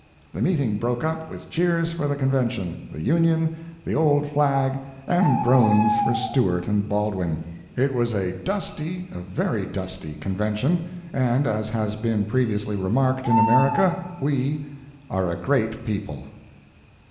The meeting broke up with cheers for the Convention, the Union, the old flag, and groans for Stewart and Baldwin. It was a dusty, a very dusty, Convention, and as has been previously remarked in America, we are a great people.